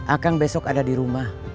akang besok ada di rumah